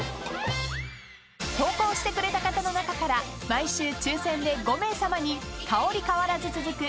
［投稿してくれた方の中から毎週抽選で５名さまに香り変わらず続く